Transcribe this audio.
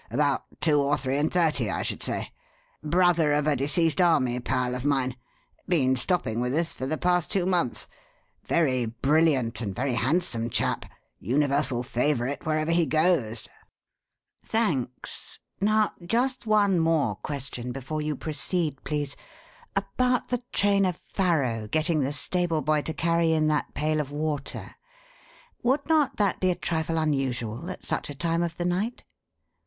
About two or three and thirty, I should say. Brother of a deceased army pal of mine. Been stopping with us for the past two months. Very brilliant and very handsome chap universal favourite wherever he goes." "Thanks. Now just one more question before you proceed, please: About the trainer Farrow getting the stable boy to carry in that pail of water. Would not that be a trifle unusual at such a time of the night?"